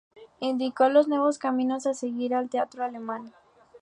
Indicó los nuevos caminos a seguir al teatro alemán.